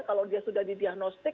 kalau dia sudah didiagnostik